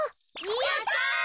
やった。